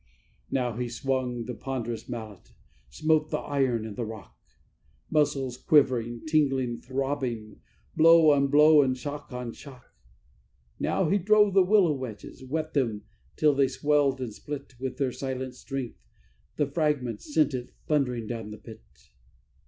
Now he swung the ponderous mallet, smote the iron in the rock Muscles quivering, tingling, throbbing blow on blow and shock on shock; Now he drove the willow wedges, wet them till they swelled and split, With their silent strength, the fragment, sent it thundering down the pit.